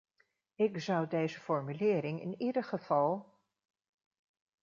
Ik zou deze formulering in ieder geval...